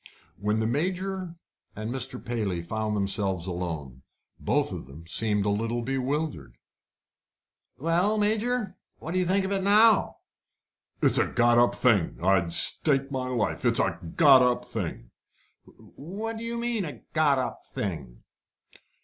When the Major and Mr. Paley found themselves alone, both of them seemed a little bewildered. "Well, Major, what do you think of it now?" "It's a got up thing! I'll stake my life, it's a got up thing!" "What do you mean a got up thing?"